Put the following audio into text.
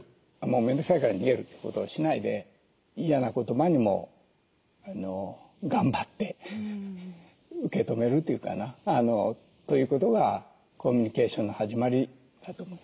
面倒くさいから逃げるってことをしないで嫌な言葉にも頑張って受け止めるというかな。ということがコミュニケーションの始まりだと思いますよね。